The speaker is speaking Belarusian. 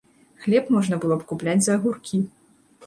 Хлеб можна было б купляць за агуркі.